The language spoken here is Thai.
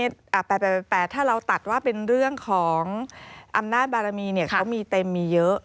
แต่ถ้าเราตัดว่าเป็นเรื่องของอำนาจบารมีเนี่ยเขามีเต็มมีเยอะ